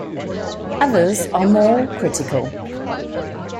Others are more critical.